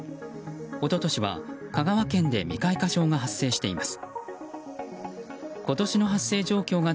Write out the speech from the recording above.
一昨年は香川県で未開花症が発生しています。